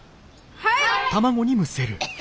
はい！